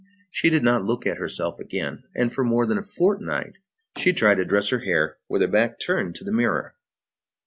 She did not look at herself again, and for more than a fortnight she tried to dress her hair with her back turned to the mirror.